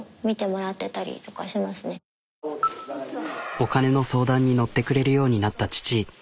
お金の相談に乗ってくれるようになった父。